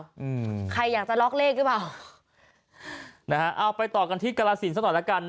อืมใครอยากจะล็อกเลขหรือเปล่านะฮะเอาไปต่อกันที่กรสินสักหน่อยละกันนะ